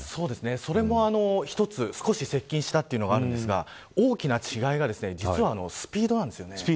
それも一つ接近したというのがあるんですが大きな違いが実はスピードなんです。